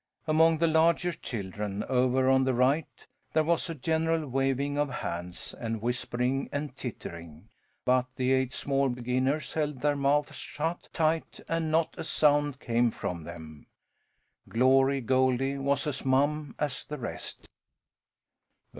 Among the larger children, over on the right, there was a general waving of hands, and whispering and tittering; but the eight small beginners held their mouths shut tight and not a sound came from them. Glory Goldie was as mum as the rest.